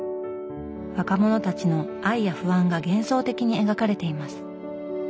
若者たちの愛や不安が幻想的に描かれています。